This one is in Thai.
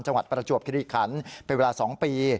จังหวัดประจวบกิริขันไปเวลาสองปี